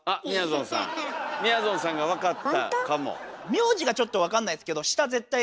名字がちょっと分かんないですけど下絶対。